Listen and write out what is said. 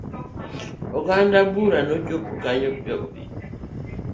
Oganda buora nochopo kanyo piyo piyo.